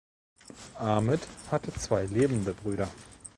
Ahmed hatte zwei lebende Brüder.